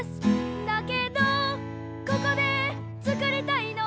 「だけどここで作りたいのは」